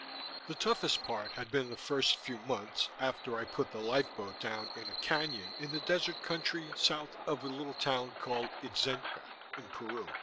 The toughest part had been the first few months, after I put the lifeboat down in a cañon in the desert country south of a little town called Itzenca, in Peru.